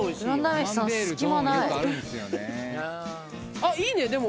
あっいいねでも。